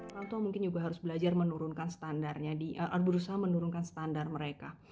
orang tua mungkin juga harus belajar menurunkan standarnya berusaha menurunkan standar mereka